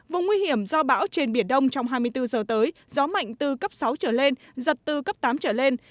vùng nguy hiểm do bão trên biển đông trong hai mươi bốn giờ tới gió mạnh từ cấp sáu trở lên giật từ cấp tám trở lên